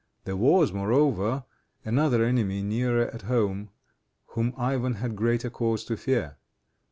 There was, moreover, another enemy nearer at home whom Ivan had greater cause to fear.